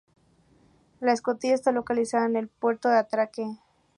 La escotilla está localizada en el puerto de atraque.